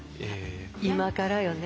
今からよね。